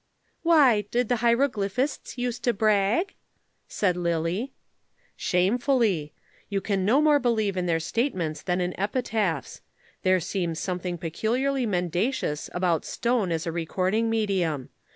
"Why, did the hieroglyphists use to brag?" asked Lillie. "Shamefully. You can no more believe in their statements than in epitaphs. There seems something peculiarly mendacious about stone as a recording medium.